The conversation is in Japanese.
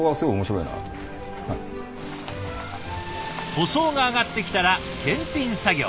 塗装があがってきたら検品作業。